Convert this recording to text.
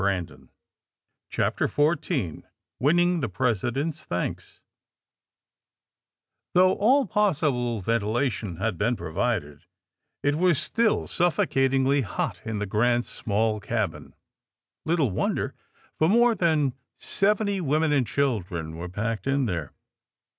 AND THE SMUGGLEES 14f CHAPTEB XIV WINNING THE PRESIDENT'S THANKS HOUGH all possible ventilation had been provided^ it was still suffocatingly hot in the '' Grant 's '' small cabin. Little wonder, for more than seventy women and children were packed in there.